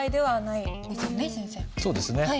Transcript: そうですね。